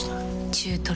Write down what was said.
中トロ。